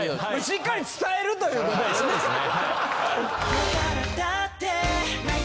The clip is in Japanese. しっかり伝えるということですね。